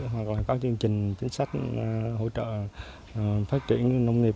hoặc là có chương trình chính sách hỗ trợ phát triển nông nghiệp